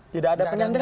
tidak ada yang menyandra